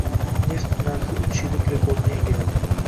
Neft narxiuchyillik rekordni yangiladi